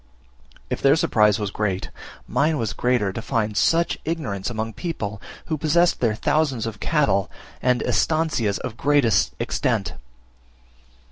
If their surprise was great, mine was greater, to find such ignorance among people who possessed their thousands of cattle, and "estancias" of great extent.